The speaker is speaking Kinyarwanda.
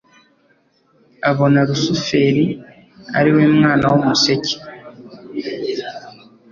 Abona Lusiferi « ariwe mwana w'umuseke. »